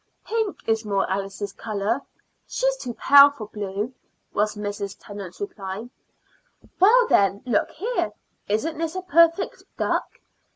"Pink is more Alice's color. She is too pale for blue," was Mrs. Tennant's reply. "Well, then, look here. Isn't this a perfect duck?